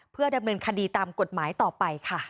เพื่อดำเนินคดีตามกฎหมายต่อไปค่ะ